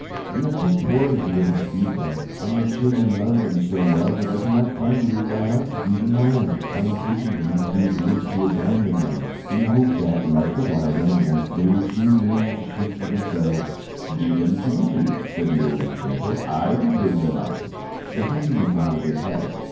"We are too poor to be able to feed them, and my children love them so well that I cannot find it in my heart to do them harm. I am taking them into these woods to abandon them, in the hope that, like the wild animals, they will soon learn to shift for themselves." "Give them to me," said the old enchanter, "I will bring them up." The countryman nodded his head.